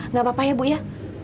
nggak apa apa ya bu ya